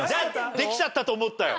できちゃったと思ったよ。